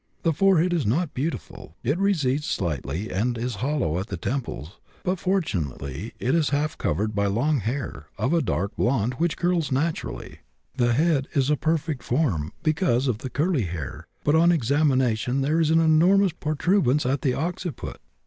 The forehead is not beautiful; it recedes slightly and is hollow at the temples, but, fortunately, it is half covered by long hair, of a dark blonde, which curls naturally. The head is perfect in form, because of the curly hair, but on examination there is an enormous protuberance at the occiput.